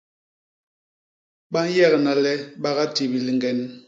Ba nyegna le ba gatibil liñgen.